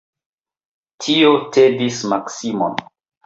Tio tedis Maksimon.